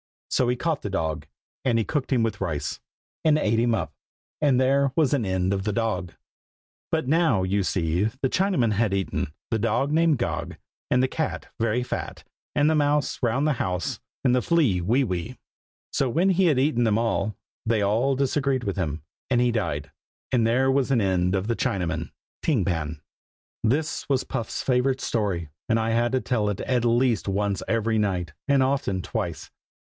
So he caught the dog, and he cooked him with rice, and ate him up. And there was an end of the dog. But now, you see, the Chinaman had eaten The dog, Named Gog, And the cat, Very fat, And the mouse, Round the house, And the flea, Wee wee. So when he had eaten them all, they all disagreed with him, and he died. And there was an end of the Chinaman, Ting Pan. This was Puff's favorite story, and I had to tell it at least once every night, and often twice.